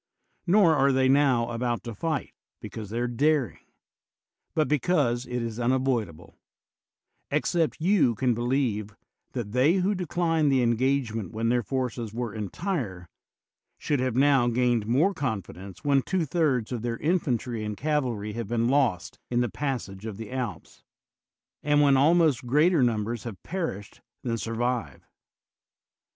Nor are they now about to fight because they are daring, but because it is unavoidable; except you can be lieve that they who declined the engagement when their forces were entire should have now gained more confidence when two thirds of their infantry and cavalry have been lost in the pas sage of the Alps, and when almost greater num bers have perished than survive.